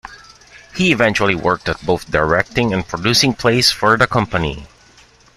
He eventually worked at both directing and producing plays for the company.